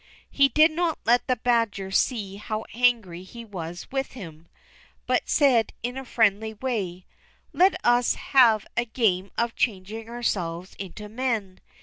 He did not let the badger see how angry he was with him, but said in a friendly way: "Let us have a game of changing ourselves into men.